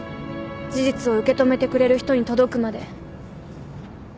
事実を受け止めてくれる人に届くまで。